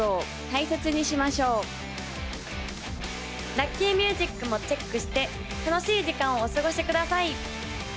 ・ラッキーミュージックもチェックして楽しい時間をお過ごしください